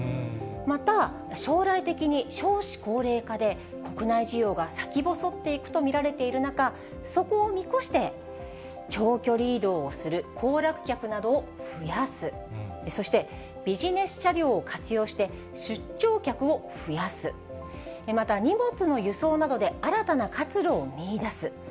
また、将来的に少子高齢化で、国内需要が先細っていくと見られている中、そこを見越して、長距離移動をする行楽客などを増やす、そして、ビジネス車両を活用して、出張客を増やす、また荷物の輸送などで新たな活路を見いだす。